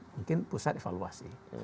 mungkin pusat evaluasi